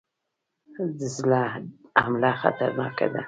د زړه حمله خطرناکه ده